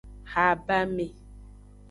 Habame.